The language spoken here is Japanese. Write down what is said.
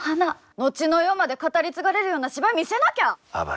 後の世まで語り継がれるような芝居を見せなきゃ。